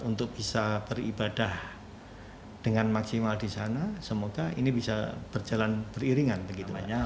untuk bisa beribadah dengan maksimal di sana semoga ini bisa berjalan beriringan begitu ya